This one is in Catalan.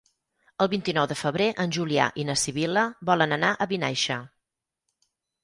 El vint-i-nou de febrer en Julià i na Sibil·la volen anar a Vinaixa.